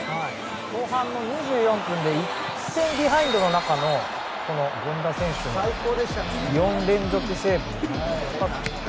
後半の２４分で１点ビハインドの中のこの権田選手の４連続セーブ。